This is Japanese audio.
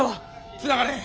つながれへん。